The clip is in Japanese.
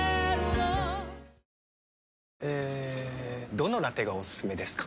どのラテがおすすめですか？